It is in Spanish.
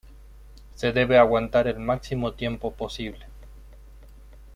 Se debe aguantar el máximo tiempo posible.